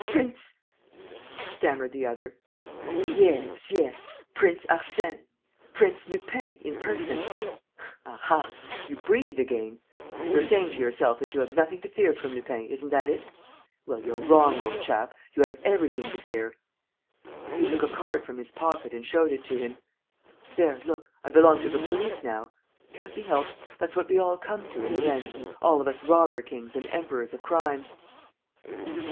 ... Prince. ..." stammered the other. "Yes, yes, Prince Arsène, Prince Lupin in person. ... Aha, you breathe again! ... You're saying to yourself that you have nothing to fear from Lupin, isn't that it? Well, you're wrong, old chap, you have everything to fear." He took a card from his pocket and showed it to him. "There, look, I belong to the police now. Can't be helped: that's what we all come to in the end, all of us robber kings and emperors of crime."